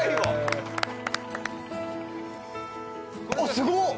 すごっ！